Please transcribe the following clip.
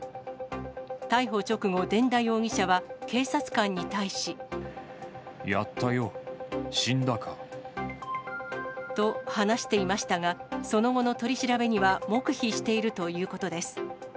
逮捕直後、伝田容疑者は警察官に対し。やったよ、死んだか。と話していましたが、その後の取り調べには黙秘しているということです。